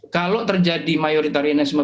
kalau terjadi mayoritarianisme